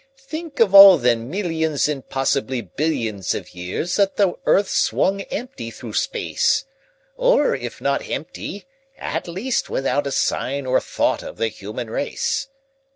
"Think of all the millions and possibly billions of years that the earth swung empty through space or, if not empty, at least without a sign or thought of the human race.